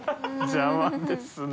邪魔ですね。